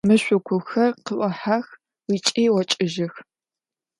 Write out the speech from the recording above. Мэшӏокухэр къыӏохьэх ыкӏи ӏокӏыжьых.